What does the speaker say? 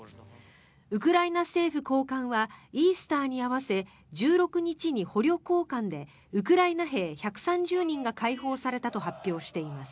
ウクライナ政府高官はイースターに合わせ１６日に捕虜交換でウクライナ兵１３０人が解放されたと発表しています。